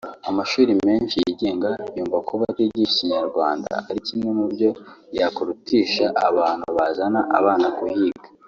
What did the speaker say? amashuri menshi yigenga yumva kuba atigisha ikinyarwanda ari kimwe mu byo yakurutisha abantu bazana abana kuhiga